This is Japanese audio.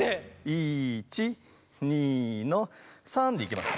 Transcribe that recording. １２の３でいきます。